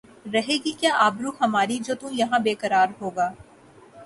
رہے گی کیا آبرو ہماری جو تو یہاں بے قرار ہوگا